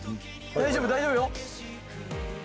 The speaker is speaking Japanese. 大丈夫大丈夫よ。